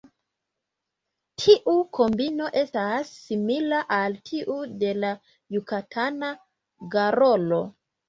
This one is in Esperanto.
Tiu kombino estas simila al tiu de la Jukatana garolo.